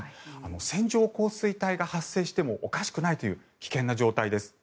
線状降水帯が発生してもおかしくないという危険な状態です。